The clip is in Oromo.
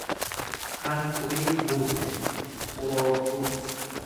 kan xurii guurte, xurooftuu.